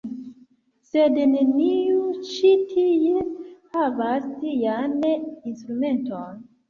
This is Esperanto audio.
Sed neniu ĉi tie havas tian instrumenton.